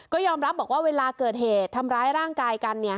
ก็ยอมรับบอกว่าเวลาเกิดเหตุทำร้ายร่างกายกัน